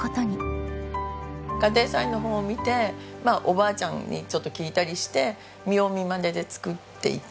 家庭菜園の本を見ておばあちゃんにちょっと聞いたりして見よう見まねで作っていて。